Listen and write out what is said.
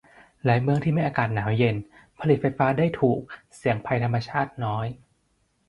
หลายเมืองที่มีอากาศหนาวเย็น ผลิตไฟฟ้าได้ถูก เสี่ยงภัยธรรมชาติน้อย